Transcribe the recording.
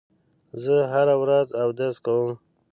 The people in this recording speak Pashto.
زه هره ورځ اودس کوم.